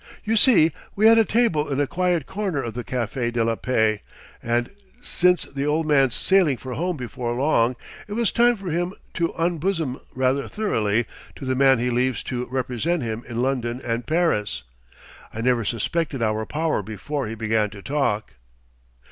You see, we had a table in a quiet corner of the Café de la Paix, and since the Old Man's sailing for home before long it was time for him to unbosom rather thoroughly to the man he leaves to represent him in London and Paris. I never suspected our power before he began to talk...."